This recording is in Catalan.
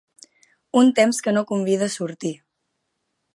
Un temps que no convida a sortir.